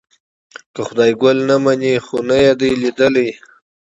که خدای ګل نه مني خو نه یې دی لیدلی.